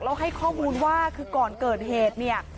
แล้วให้ข้อมูลว่าคือก่อนเกิดเหตุเนี่ย